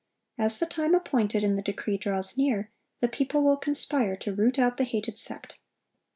As the time appointed in the decree draws near, the people will conspire to root out the hated sect.